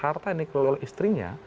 jakarta yang dikelola oleh istrinya